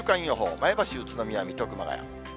前橋、宇都宮、水戸、熊谷。